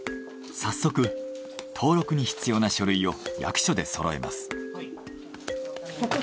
早速登録に必要な書類を役所でそろえます。